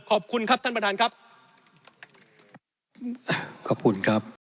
ขอบคุณครับท่านประธานครับขอบคุณครับ